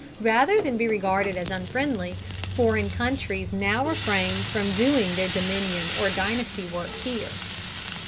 Rather than be regarded as unfriendly, foreign countries now refrain from doing their dominion or dynasty work here.